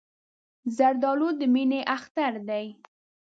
زردالو د مینې اختر دی.